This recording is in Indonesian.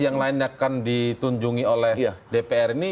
yang lainnya akan ditunjungi oleh dpr ini